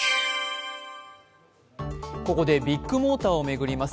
ここでビッグモーターを巡ります